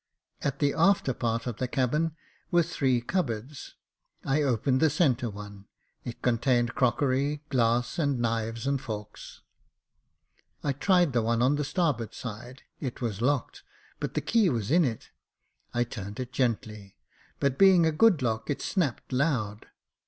At the after part of the cabin were three cupboards ; I opened the centre one, it contained crockery, glass, and knives and forks. I tried the one on the starboard side ; it was locked, but the key was in it. I turned it gently, but being a good lock, it snapped loud.